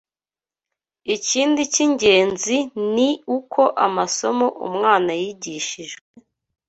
Ikindi cy’ingenzi ni uko amasomo umwana yigishijwe